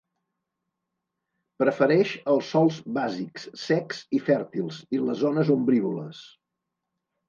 Prefereix els sòls bàsics, secs i fèrtils i les zones ombrívoles.